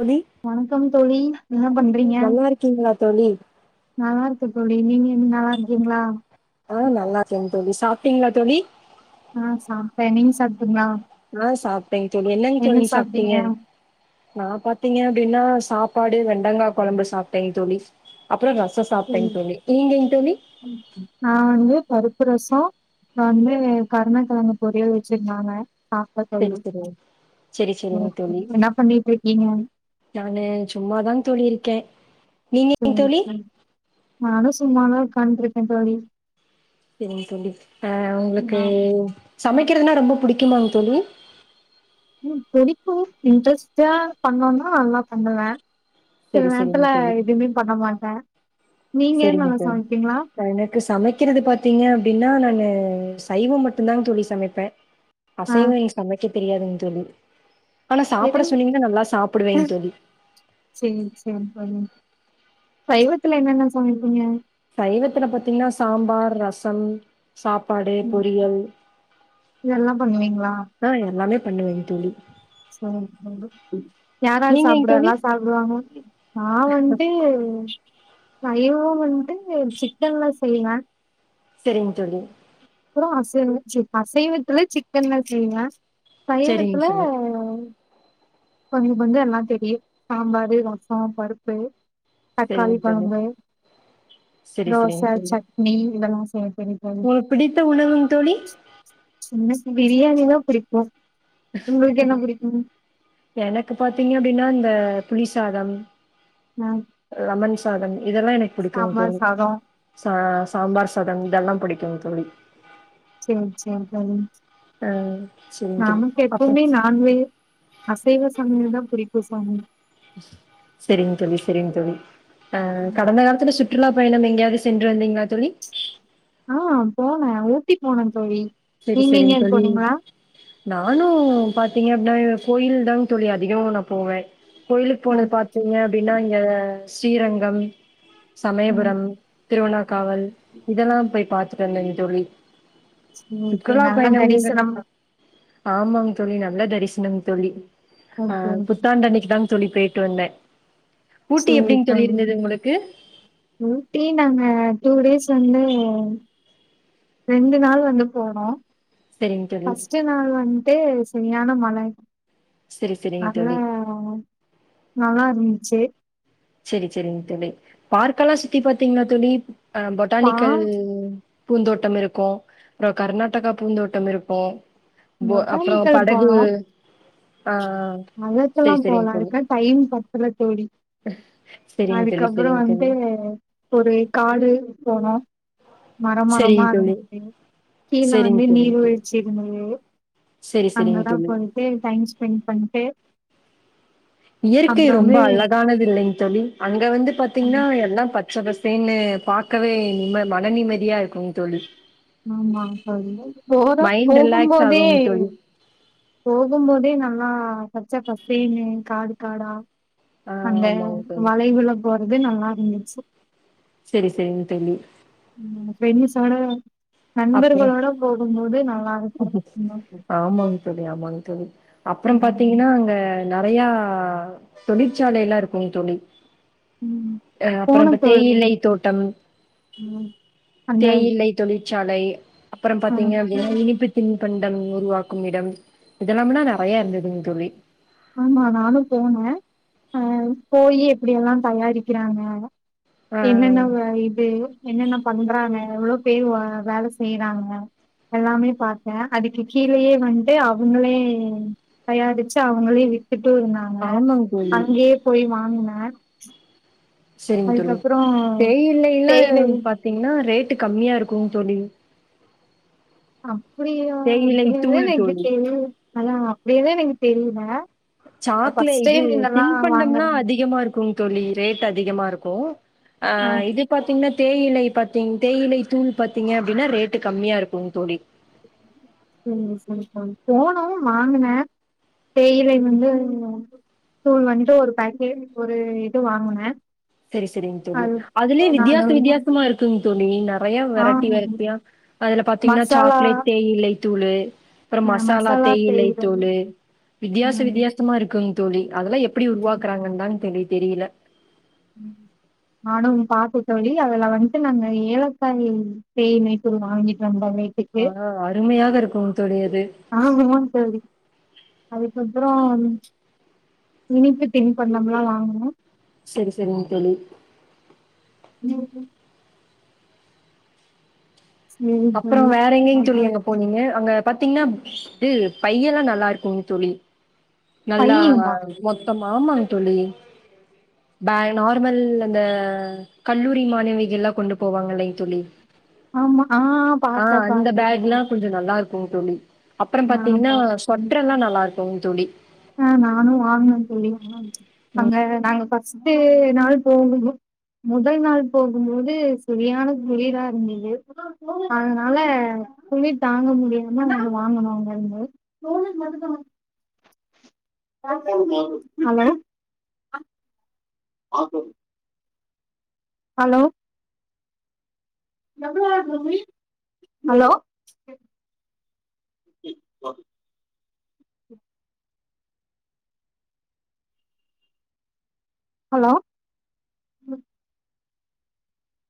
தோழி வணக்கம் தோழி என்ன பண்றீங்க நல்லா இருக்கீங்களா தோழி நல்லா இருக்கே தோழி நீங்க நல்லா இருக்கீங்களா ஆ நல்லா இருக்கேங்க தோழி சாப்ட்டீங்களா தோழி ஆ சாப்ட்டே நீங்க சாப் ஆ சாப்ட்டேங்க தோழி என்னங்க தோழி சாப்ட்டீங்க நா பான் டீங்க அப்டின்னா சாப்பாடு வெண்டங்கா கொழம்பு சாப்ட்டேங்க தோழி அப்றோ ரசோ சாப்டேங்க தோழி நீங்கங்க தோழி ப்பு ரசோ வந்து கருண கெழங்கு பொரியல் வச்சிருந்தாங்க சாப்ட்ட தோழி செரி செரி செரி செரிங்க ம். தோழி என்ன பண்ணிட்டு இருக்கீங்க நானு சும்மாதாங்க தோழி இருக்கே நீங்கங்க செரி தோழி செரி நானு சும்மாதா இருக் பண்ட்ருக்கே தோழி சரிங்க தோழி அ உங்ளுக்கு ஆ சமைக்கிறதுனா ரொம்ப புடிக்குமாங் தோழி ம் புடிக்கு இன்ட்ரெஸ்ட்டா பண்னோனா நல்லா பண்ணுவ சில செரி நேரத்துல செரிங்க தோழி எதுமே பண்ண மாட்ட நீங்க என்னல்லா சமைப்பீங்களா க்கு சமைக்கிறது பாத்தீங்க அப்டின்னா நாங்க சைவோ மட்டுந்தாங் தோழி சமைப்ப ஆ அசைவையு சமைக்கத் தெரியாதுங் தோழி ஆனா சாப்ட எதும் சொன்னீங்கன்னா நல்லா சாப்புடுவேங் தோழி சேரி சேரி தோழி சைவத்துல என்னென்ன சமைப்பீங்க சைவத்துல பாத்தீங்கன்னா சாம்பார் ரசம் சாப்பாடு ம் பொரியல் இதெல்லா பண்ணுவீங்களா ஆ எல்லாமே பண்ணுவீங்க தோழி சேரி யார் யார் நீங்கங் தோழி சாப்புடுரதெல்லா சாப்புடுவாங்க நா வன்ட்டு அசைவோ வன்ட்டு சிக்கன்லா செய்வ சேரிங் தோழி அப்புறோ அசைவோ ச்சி அசைவத்துல சிக்கன்லா செய்வ சரிங் சைவத்துல தோழி கொஞ்சோ கொஞ்சோ எல்லா தெரியு சாம்பாரு ரசோ பருப்பு தக்காளி சரிங் தோழி கொழம்பு சரி தோச சரிங் தோழி சட்னி இதெல்லாஸ் உங்களுக்கு பிடித்த உணவுங் தோழி பிரியாணினா புடிக்கு உங்களுக்கு என்ன புடிக்கு எனக்கு பாத்தீங்க அப்டின்னா இந்த புலிசாதம் நா லெமன் சாதம் இதெல்லா எனக்கு புடிக்கு சாம்பார் தோழி சாதோ சா சாம்பார் சாதம் இதெல்லாம் புடிக் தோ தோழி சேரி சேரிங் தோழி ஆ செரிங் தோழி நமக்கு அப்றோ எப்பவுமே நான்வெ அசைவ சமயல்தா புடிக் இப்போ சமையல் சேரிங் தோழி சேரிங் தோழி அ ம். கடந்த காலத்துல சுத் சுற்றுலா பயணம் எங்கயாவது சென்று வந்தீங்களா தோழி ஆ போன ஊட்டி போன தோழி செரி நீங்க செரிங் எங்கயாவது தோழி போனீங்களா நானு பாத்தீங்கன்னா கோயில் தாங் தோழி அதிகமா நா போவே கோயிலுக்கு போனது ம் பாத்தீங்க அப்டின்னா இங்க ஸ்ரீ ரங்கம் ம் சமயபுரம் திருவணாக்காவல் இதெல்லா போய் பாத்து ணங்க தோழி சேரி சேரி சுற்றுலா நல்லா பயணம்ங்கிற தரிசனமா ஆமாங் தோழி நல்லா தரிசனங்க தோழி ஆ ஓகே ஓகே புத்தாண்டு அன்னிக்கு தா தோழி போயிட்டு வந்தே ஊட்டி எப்டிங் தோழி இருந்தது உங்களுக்கு ஊட்டி நாங்க டூ டேஸ் வந்து ரெண்டு நாள் வந்து போனோ செரிங் தோழி ஃபஸ்ட்டு நாள் வந்து சரியான மழ செரி செரிங் அதா தோழி நல்லா இருந்துச்சு சேரி சேரிங் தோழி பார்க்ல்லா சுத்தி பாத்தீங்களா தோழி ஆ பா பொட்டானிக்கல் பூந்தோட்டம் இருக்கும் அப்பற கர்நாட்டகா பூந்தோட்டம் இருக்கும் போ அப்புற படகு ஆ அதழத்தெல்லா செரி செரிங் போலா தோழி அதுக்க டைம் பத்தல தோழி செரிங் தோழி அதுக்கப்புற செரிங் வந்து தோழி ஒரு காடு போனோ மர மரமா செரிங் தோழி இருஞ்ச்சு கீழே செரிங் வந்து தோழி நீர்வீழ்ச்சி இருந்தது செரி செரிங் அங்கதா தோழி போய்ட்டு டைம் ஸ்பெண் பண் [inaudible] இயற்கை ரொம்ப அழகானது இல்லைங் தோழி அங்க வந்து பாத்தீங்கன்னா எல்லா பத் ச்சை பசல்ன்னு பாக்கவே நிம் மன நிம்மதியா இருக்கும் தோழி ஆமா சரி போற மைண்ட் ரிலாக்ஸ் போகும்போதே ஆகுங் தோழி. போகும்போதே நல்லா பச்ச பசல்ன்னு காடு காடா ஆ அந்த ஆமாங் தோழி. மழை விழப் போர அது நல்லா இருந்துச்சு சேரி சேரிங் தோழி வென்னு சொடா அப்றோ நண்பர்களோட போகும்போது நல்லா இருக்கு இன்னும் தோழி அப்புறம் பாத்தீங்கன்னா அங்க க நெறையா தொழிற்சாலை எல்லா இருக்குங் தோழி ம் அ அப்புறம் போன தோழி தேயிலை தோட்டம் அந்த தேயிலை தொழில் ச்சாலை அப்புறம் பாத்தீங்க அப்டின்னா ம் இனிப்பு தின் பண் டம் உருவாக்கும் இடம் இதெல்லாம்னா நெறைய இருந்ததுங் தோழி ஆமா நானும் போன அ போயி எப்டியெல்லா தயாரிக்கிறாங்க ஆ என்னென்ன இது என்னென்னப் பண்றாங்க எவ்ளோ பேர் லோ வேல செய்றாங்க எல்லாமே பாத்த அதுக்கு கீழயே வன்ட்டு அவங்களே தயாரிச்சு அவ் அவுங்களே விப் ட்டு இருந்தாங்க ஆமாங் தோழி அங்கேயே போய் வாங்குன அ சேரிங் தோழி தேயிலை தேயிலை எல்லாம் பாத்தீங்கன்னா ரேட் ட்டு கம்மியா இருக்குங் தோழி ஆம் புரியு தேயிலை தூள் தோழி [unintelligible] அதா அப்டினே எனக்கு தெரியில சாக்குலே இது திண்பண்டம்லா வாங்குறேங்க. அதிகமா இருக்குங் தோழி ரேட் அதிகமா இருக்கு ஆ இது பாத்தீங்கன்னாத் தேயிலை பாத்தீங் தேயிலை தூள் பாத்தீங்க அப்டின்னா ரேட்டு கம்மியா இருக்குங் தோழி சேரிங் சேரிங் தோழி போனோ வாங்குன தேயிலை வந்து தூள் வந்து ஒரு பாக்கெட் ஒரு இது வாங்குன சேரி சேரிங் தோழி அதுலயே வித்தியாச வித்தியாசமா இருக்குங் தோழ் ழி நா நெறையா ஆ வெரைட்டி வெரைட்டியா அதுல பாத்தீங்கன்னா மசாலா சாக்லேட் தேயிலை தூளு அப்புறம் அ மசாலா தேயிலை செய்றது தூளு வித்தியாச ம் வித்தியாசமா இருக்குங் தோழி அதெல்லா எப்டி உருவாக்குறாங்கன்தா தெரில் தெரில ம் நானும் பாத்த தோழி அதுல வந்துட்டு நாங்க ஏலக்காய் தேனு அது இப்போ வாங்கிட்டு வந்தோ ஆ அருமையாக இருக்குங் தோழி அது ஆமாங் தோழி அதுக்கப்புறோ இனிப்பு தின் பண்டம்லா வாங்குனோ செரி செரிங் தொழி ம் சேரி அப்புறோ தோழி வேற எங்கிங் தோழி அதா அங்க போனீங்க அங்கப் பாத்தீங்கன்னா இது பையில்லா நல்லா இருக்குங் தோழி நல்லா பையுங்களா மொத் ம்மா ஆமாங் தோழி பேகு நார்மல் அந்த கல்லூரி மாணவிகள்லா கொண்டுப் போவாங்களே தோழி ஆமா ஆ பாத்தே இந்த பாத்தே பேக்லா தோழி கொஞ்ச நல்லா இருக்குங் தோழி அப்புறம் நானு பாத்தீங்கன்னா சொட்றெல்லா நல்லா இருக் போங் தோழி ம் நானு வாங்கணங் தோழி அங்க நாங்க ஃபஸ்ட்டு நாள் போணோ மொதல் நாள் போகும்போது சரியான குளிரா இருந்தது அதனால குளிர் தாங்க முடியாம நாங்க வாங்கனோ அங்க இருந்து அலோ அ [unintelligible] அலோ அலோ [inaudible] அலோ